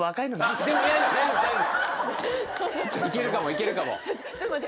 いけるかもいけるかも。